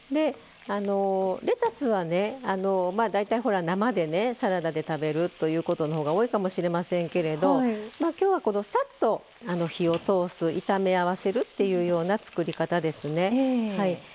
レタスは大体、生でサラダで食べるということのほうが多いかもしれませんけれどきょうは、さっと火を通す炒め合わせるというような作り方ですね。